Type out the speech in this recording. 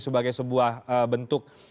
sebagai sebuah bentuk